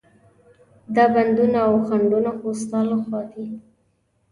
دا بندونه او خنډونه خو ستا له خوا دي.